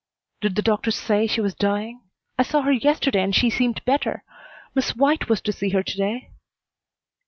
"Did the doctor say she was dying? I saw her yesterday and she seemed better. Miss White was to see her to day."